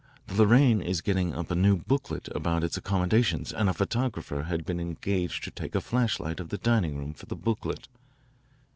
The Lorraine is getting up a new booklet about its accommodations and a photographer had been engaged to take a flashlight of the dining room for the booklet.